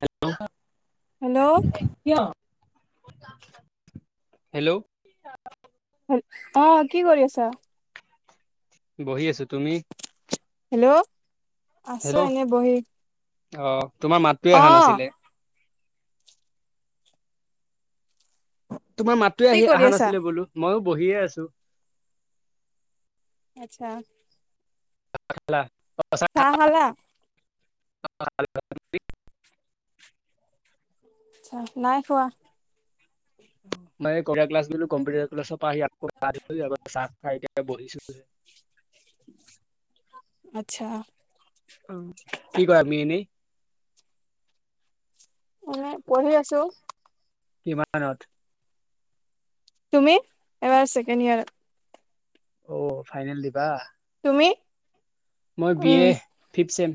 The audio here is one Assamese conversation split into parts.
[unintelligible] হেল্ল' কিয়? হেল্ল'। অ কি কৰি আছা? বহি আছোঁ। তুমি? হেল্ল'? আছোঁ হেল্ল' এনে বহি। অ' তোমাৰ মাতটোৱে অ অহা নাছিলে। তোমাৰ মাতটোৱে কি আহি- কৰি আহা আছা? নাছিলে বোলো। ময়ো বহিয়ে আছোঁ। আচ্ছা। ভাত খালা? চাহ খালা? [unintelligible] আচ্ছা, নাই খোৱা। মানে কপিতা ক্লাছ গলোঁ, কম্পিটাৰ ক্লাছৰ পৰা আহি আকৌ [unintelligible] আগত চাহ খাই এতিয়া বহিছিলোহে। আচ্ছা। কি কৰা তুমি এনেই ময়ো এ পঢ়ি আছোঁ। কিমানত? তুমি? এইবাৰ ছেকেণ্ড ইয়াৰত। অ' ফাইনেল দিবা? তুমি? মই B um A fifth sem.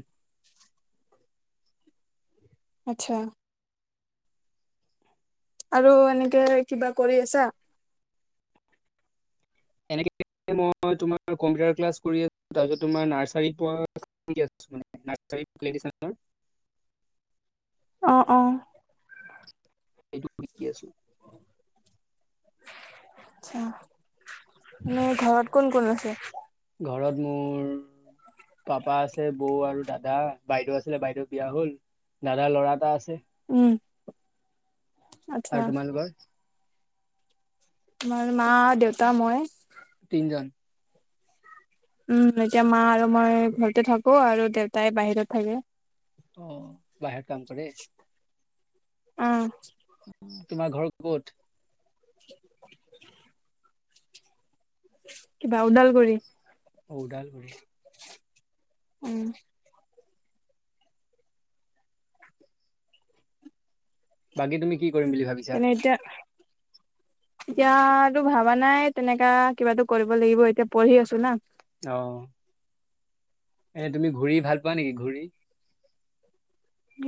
আচ্ছা। আৰু এনেকে কিবা কৰি আছা? এনেকে মই তোমাৰ কম্পিউটাৰ ক্লাছ কৰি আছোঁ। তাকে তোমাৰ নাৰ্চাৰী [unintelligible] ছোঁ মানে, নাৰ্চাৰী [unintelligible] অ অ এইটো শিকি আছোঁ। অ এনে ঘৰত কোন কোন আছে? ঘৰত মোৰ পাপা আছে বৌ আৰু দাদা, বাইদেউ আছিলে বাইদেউ বিয়া হ'ল দাদাৰ ল'ৰা এটা আছ- উম আচ্ছা আৰু তোমালোকৰ? আমাৰ মা, দেউতা, মই। তিনজন। উম এতিয়া মা আৰু মই ঘৰতে থাকো আৰু দেউতাই বাহিৰত থাকে। অ বাহিৰত কাম কৰে। ওম তোমাৰ ঘৰ ক'ত? কিবা ওদালগুৰি। ঔ ওদালগুৰি। উম। বাকী তুমি কি কৰিম বুলি ভাবিছা? তেনে এতিয়া এতিয়াতো ভাবা নাই তেনেকা কিবাটো কৰিব লাগিব এতিয়া পঢ়ি আছোঁ না। অ এ তুমি ঘূৰি ভাল পোৱা নেকি ঘূৰি?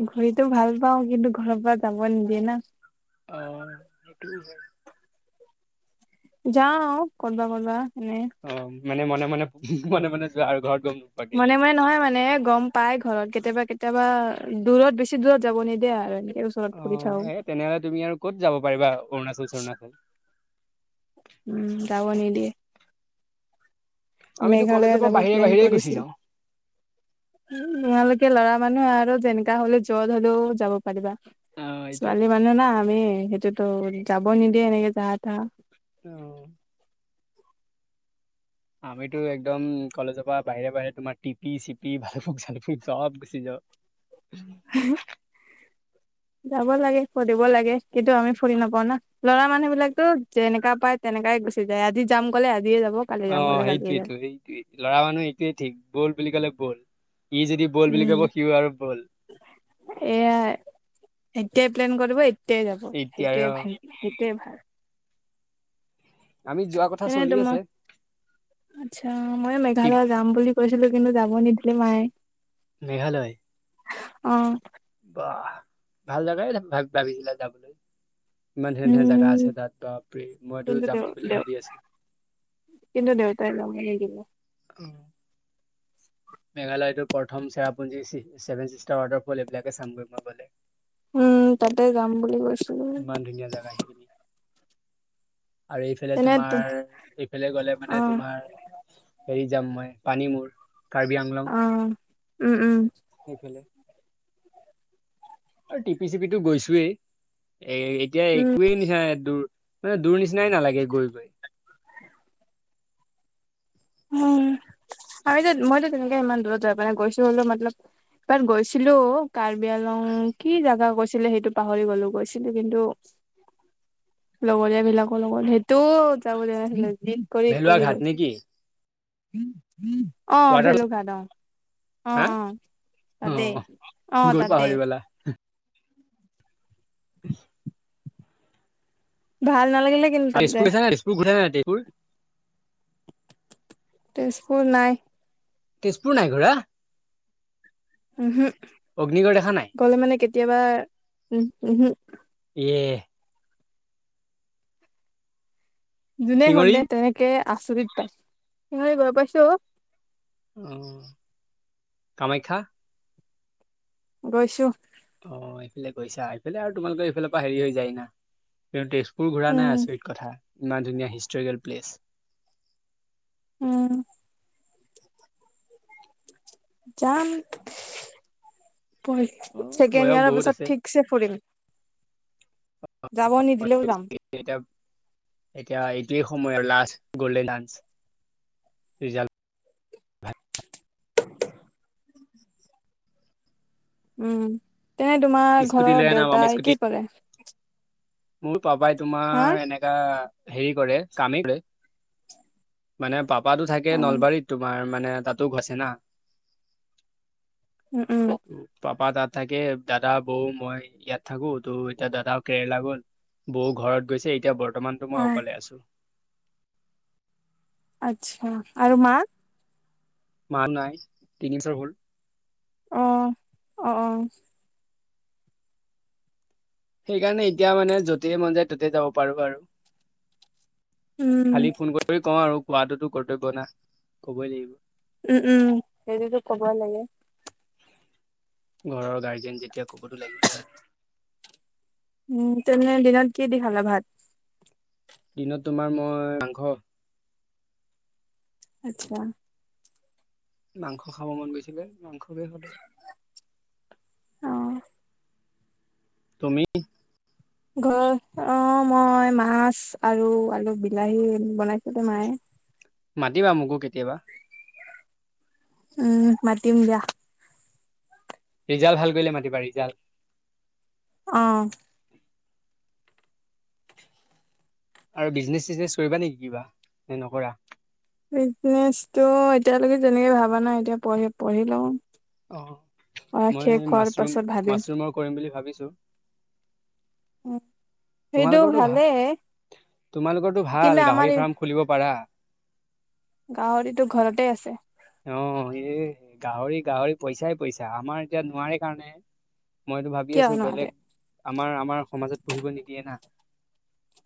ঘূৰিতো ভাল পাওঁ, কিন্তু ঘৰৰ পৰা যাব নিদিয়ে না। অ সেইটোও হয়। যাওঁ কতবা কতবা। অ মানে মনে মনে উমহ মনে মনে যোৱা আৰু ঘৰত। গম নোপোৱাকে। মনে মনে নহয় মানে গ'ম পাই ঘৰত কেতিয়াবা কেত- কেতিয়াবা দূৰত বেছি দূৰত যাব নিদিয়ে আৰু এনে। অ এই তেনেহলে তুমি আৰু ক'ত যাব পাৰিবা অৰুণাচল চৰুণাচল। উম যাব নিদিয়ে। আমিতো মেঘালয়া কলেজৰ পৰা যাব বাহিৰে প্লেন বাহিৰে গুচি কৰিছিল। যাওঁ। উম তোমালোকে ল'ৰা মানুহ আৰু যেনেকা হ'লেও য'ত হ'লেও যাব পাৰিবা অ এইটোৱেটো ছোৱালী মানুহ না আমি সেইটোত টো যাব নিদিয়ে এনেকে যাহা তাহা। অ। আমিতো একদম কলেজৰ পৰা বাহিৰে বাহিৰে তোমাৰ টিপি চিপি ভালুফুক চালুফুক চব গুচি যাওঁ। [inaudible] [unintelligible] [inaudible] যাব লাগে ফুৰিব লাগে কিন্তু আমি ফুৰি নাপাওঁ না ল'ৰা মানুহ বিলাক টো যেনেকা পায় তেনেকাই গুচি যায় আজি যাম ক'লে আজ- অ সেইটোৱেটো সেইটোৱেই ল'ৰা মানুহ এইটোৱে ঠিক বল বুলি ক'লে বল। ই যদি বল বুলি উম ক'ব সিও আৰু বল। এয়া এতিয়াই প্লেন কৰিব এতিয়াই যাব এতিয়াই অ সেইটোৱে ভাল সেইটোৱে ভাল। আমি যোৱা কথা এনে চলি তোমাৰ আছে আচ্ছা মইও টিপ মেঘালয় যাম বুলি কৈছিলো কিন্তু যাব নিদিলে মায়ে। মেঘালয়। অ। বাহ ভাল জেগাই ভাব ভাবিছিলা যাবলৈ। ইমান ধুনীয়া ধুনীয়া জাগা উম আছে তাত বাপৰে, মইতো কিন্তু যাম দেউ বুলি দেউ ভাবি আছো। কিন্তু দেউতাই যাব নিদিয়ে মেঘালয়তৰ প্ৰথম Cherrapunji, C seven sister water fall এইবিলাকে চামগৈ মই গ'লে। উম, তাতে যাম বুলি কৈছো। ইমান ধুনীয়া জেগা সেইখিনি আৰু এইফালে তেনে তোমাৰ এইফালে গলে অ মানে তোমাৰ হেৰিত যাম মই পানী মূৰ কাৰ্বি আংলং। অ উম, উম। সেইফালে আৰু টিপি চিপিটো গৈছোয়েই এ এতিয়া উম একোৱেই নিচিনা দূৰ মানে দূৰ নিচিনাই নালাগে গৈ গৈ উম, আৰু যে মইতো তেনেকে ইমান দূৰত যাব পৰা নাই গৈছো হ'লেও মতলব তাত গৈছিলো কাৰ্বি আলং কি জেগা কৈছিল! ছিলে সেইটো পাহৰি গলো গৈছিলো কিন্তু লগৰীয়া বিলাকৰ লগত সেইটো যাব দিয়া নাছিলে জিদ কৰি ভেলুৱা কৰি ঘাট গৈছো। নে কি উম উম অ ৱাটাৰ ভেলোঘাত অ। হা অহ, অ, অ তাতে অহ গৈ ততে পাহৰি গলা উ ভাল নালাগিলে কিন্তু আৰু তাতে তেজপুৰ গৈছা নে নাই তেজপুৰ ঘূৰা নাই তেজপুৰ? তেজপুৰ নাই তেজপুৰ নাই ঘূৰা? উম হুম, অগ্নিগড় দেখা নাই গলে মানে কেতিয়াবা উম হুম। এ যোনে শিঙৰি হলে তেনেকে আচৰিত পাই সিহতে গৈ পাইছো। উম, কামাখ্যা? গৈছো। অ এইফালে গৈছা এইফালে আৰু তোমালোকৰ এইফালৰ পৰা হেৰি হৈ যায় না, ইয়াৰ তেজপুৰ তুমি ঘুৰা উম, নাই আচৰিত কথা ইমান ধুনীয়া হিষ্টৰিকেল প্লেচ। উম। যাম। অ ছেকেণ্ড বয়স ইয়াৰৰ বহুত পিছত আছে ঠিকছে ফুৰিম। যাব নিদিলেও [unintelligible] যাম এতিয়া এতিয়া এই সময় আৰু লাষ্ট গ'ল্ডেন ডানস ৰিজাল্ট। উম, তেনে তোমাৰ স্কুটি লৈ ঘৰত আনা মামা দেউতাই স্কুটি কি কৰে? মোৰ পাপাই হা তোমাৰ এনেকা হেৰি কৰে কামে লয় মানে পাপা থাকে অ নলবাৰীত তোমাৰ মানে তাতো গৈছে না। উম উম পাপা তাত তাকে দাদা বৌ মই ইয়াত থাকো, তো এতিয়া দাদাও কেৰেলা গ'ল বৌ ঘৰত গৈছে, এতিয়া বৰ্তমানতো অ মই অকলে আছো। আচ্ছা আৰু মা? মা নাই, তিনিবছৰ হ'ল। অহ, অ অ। সেইকাৰণে এতিয়া মানে যতেই মন যায় ততেই যাব পাৰো আৰু উম খালি ফোন কৰি কওঁ আৰু কোৱাটোতো কৰ্তব্য না কবই লাগিব উম উম, সেইটোটো ক'বই লাগে ঘৰৰ গাৰ্জেন যেতিয়া কবতো লাগিবই আৰু উম তেনে দিনত কি দি খালা ভাত? দিনত তোমাৰ মই মাংস আচ্ছা। মাংস খাব মন গৈছিলে মাংসকে শুধো। অ তুমি ঘৰত অ মই মাছ আৰু আলু বিলাহী বনাই টো মায়ে। মাতিবা মোকো কেতিয়াবা। উম মাতিম দিয়া। ৰিজাল্ট ভাল কৰিলে মাতিবা, ৰিজাল্ট অহ আৰু বিজনেছ চিজনেচ কৰিবা নেকি কিবা, নে নকৰা? বিজনেছটো এতিয়ালৈকে তেনেকে ভাবা নাই এতিয়া পঢি পঢ়ি লওঁ। অ অ', মই শেষ হোৱাৰ মাছৰুম পাছত ভাবিম মাছৰুমৰ কৰিম বুলি ভাবিছোঁ। [inaudible] সেইটো তোমালোকৰটো ভাল, ভালেই তোমালোকৰটো কিন্তু ভাল আমাৰ গাহৰি এই ফাৰ্ম খুলিব পাৰা। গাহৰিটো ঘৰতে আছে। অ এই গাহৰি গাহৰি পইছাই পইছা আমাৰ এতিয়া নোৱাৰে কাৰণে। মইটো ভাবি কিয় আছোঁ নোৱাৰে বেলেগ আমাৰ আমাৰ সমাজত পোহিব নিদিয়ে না।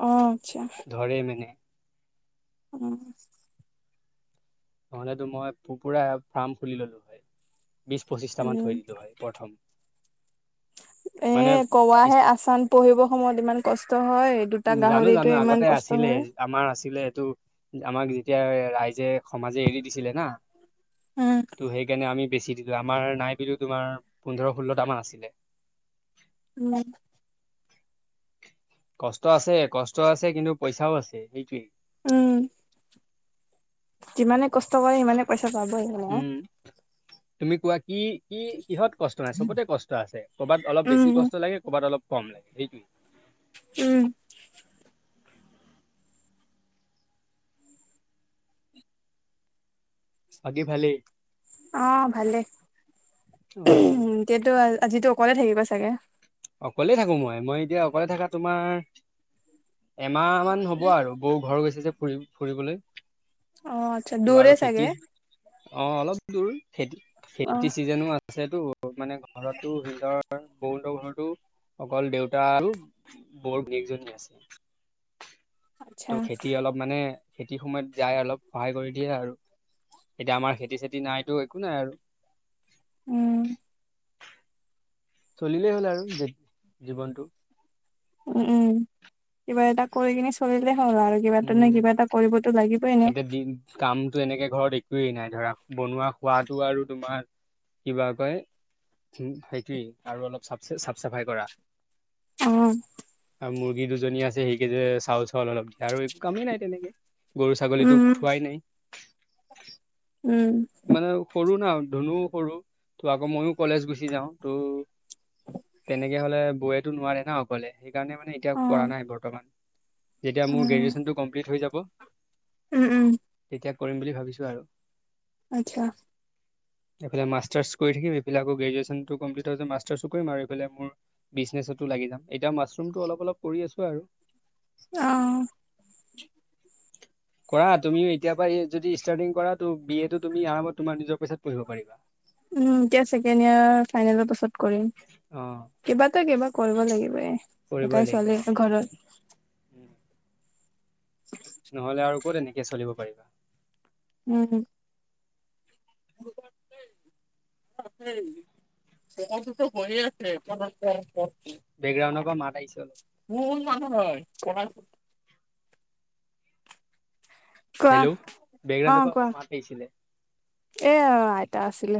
অহ আচ্ছা। ধৰে মানে উম। নহ'লেটো মই পু পুৰা ফাৰ্ম খুলি ল'লো হয়, বিশ পঁচিশটা মান থৈ দিলো হয় প্ৰথম। এ মানে কৱাহে আচান পোহিবৰ সময়ত ইমান কষ্ট। হয় দুটা উম জানো গাহৰিটোৱে জানো ইমান আগতে কষ্ট আছিলে হয় আমাৰ আছিলে এইটো আমাক তেতিয়া ৰাইজে সমাজে এৰি দিছিলে না উম ত' সেইকাৰণে আমি বেছি দিলোঁ। আমাৰ নাই বুলিও তোমাৰ পোন্ধৰ ষোল্লটা মান আছিলে। উম। কষ্ট আছে কষ্ট আছে কিন্তু পইছাও আছে সেইটোৱেই। উম। যিমানে কষ্ট কৰে সিমানে পইচা পাবই উম তুমি কোৱা কি কি কিহত কষ্ট নাই চবতে কষ্ট আছে ক'ৰবাত অলপ বেছি উম কষ্ট লাগে ক'ৰবাত অলপ কম লাগে সেইটোৱে। উম। বাকী ভালেই। অ ভালে, অ উমহ এতিয়াটো আজিটো অকলে থাকিবা চাগে। অকলে থাকোং মই, মই এতিয়া অকলে থাকা তোমাৰ এমাহ মান হ'ব আৰু বৌ ঘৰ গৈছে যে ফুৰি ফুৰিবলৈ। অ আচ্ছা ত' আৰু দূৰে খেতি চাগে। অ অলপ দূৰ। খেতি অ খেতি চিজনো আছে টো মানে ঘৰতো সুন্দৰ লগঘৰ আৰু অকল দেউতা আৰু বৌৰ জীয়েকজনী আছে। আচ্ছা ত' খেতি অলপ মানে খেতি সময়ত যায় অলপ সহায় কৰি দিয়ে আৰু। এতিয়া আমাৰ খেতি চেতি নাইটো একো নাই আৰু। উম। চলিলেই হ'ল আৰু যে জীৱনটো। উম উম। কিবা এটা কৰি কিনে চলিলে হয় আৰু কিবা তেনে উম কিবা এটা কৰিবটো লাগিবই এনেও। এতিয়া দিন কামটো এনেকে ঘৰত একোৱেই নাই ধৰা বনোৱা খোৱাতো আৰু তোমাৰ কিবা কয় হোম সেইটোৱেই আৰু অলপ চাফ চাফ চাফাই কৰা। অ', আৰু মুৰ্গী দুজনী আছে সেইকেই যে চাউল চাউল অলপ আৰু একো কামেই নাই তেনেকে, গৰু ছাগলীটো উম, থোৱাই নাই। উম, মানে সৰু না ধুনু সৰু, ত' আকৌ মইও কলেজ গুচি যাওঁ ত'। তেনেকে হ'লে বৌয়েটো নোৱাৰে ন অকলে সেইকাৰণে মানে এতিয়া কৰা অ', নাই বৰ্তমান। যেতিয়া মোৰ উম, গ্ৰেজুৱেচনটো কমপ্লিট হৈ যাব। উম উম। শেষ কৰিম বুলি ভাবিছোঁ আৰু। আচ্ছা। [inaudible] এইফালে মাষ্টাৰচ কৰি থাকিম এইফালে আকৌ গ্ৰেজুৱেচনটো কমপ্লিত হোৱা পিছত মাষ্টাৰচটো কৰিম আৰু এইফালে মোৰ বিজনেছটো লাগি লাগি যাম এতিয়া মাছৰুমটো অলপ অলপ কৰি আছোঁ আৰু। অহ। কৰা তুমিও এতিয়া পৰা এ যদি ষ্টাৰ্টিং কৰা টো বি এ টো তুমি আৰামত তোমাৰ নিজৰ পইছাত পঢ়িব পাৰিবা। উম এতিয়া ছেকেণ্ড ইয়েৰ ফাইনেলৰ পাছত কৰিম। অ'। কিবা ত কিবা কৰিব লাগিব এ কৰিবই এটাই লাগিব ছোৱালী অ আছোঁ সেইটোৱে ঘৰত। নহ'লে আৰু ক'ত এনেকে চলিব পাৰিবা। উমহ। [inaudible] [unintelligible] বেকগ্ৰাউণ্ডৰ পৰা মাত আহিছে অলপ। [unintelligible] হেল্ল' বেকগ্ৰাউণ্ডৰ পৰা অলপ মাত আহিছিলে। অ অ আইতা আছিলে।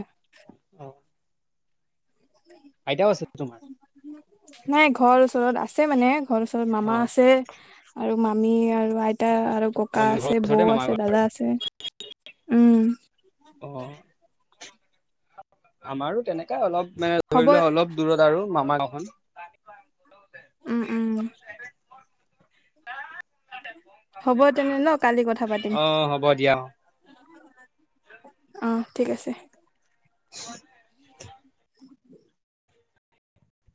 অ আইতাও আছে তোমাৰ? নাই ঘৰৰ ওচৰত আছে মানে ঘৰৰ ওচৰত মামা অ আছে আৰু মামি আৰু আইতা আৰু অ ককা মানে ঘৰৰ আছে বৌ ওচৰতে মামা আছে ঘৰ দাদা আছে। উম। অ আমাৰো তেনেকোৱাই অলপ। মানে হ'ব ধৰি লোৱা অলপ দূৰত আৰু মামা গাঁও খন। উম উম। [unintelligible] হ'ব তেনে ন কালি কথা পাতিম। অ হ'ব দিয়া অ অ ঠিক আছে। [unintelligible] [inaudible]